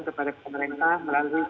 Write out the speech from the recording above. kepada pemerintah melalui